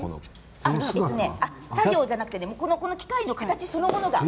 作業じゃなくてこの機械の形そのものが。